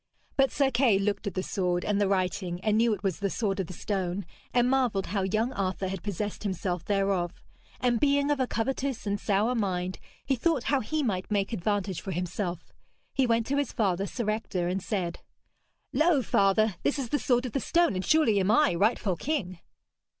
But Sir Kay looked at the sword, and the writing, and knew it was the sword of the stone, and marvelled how young Arthur had possessed himself thereof; and being of a covetous and sour mind he thought how he might make advantage for himself. He went to his father, Sir Ector, and said: 'Lo, father, this is the sword of the stone, and surely am I rightful king.'